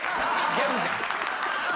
ギャグじゃん。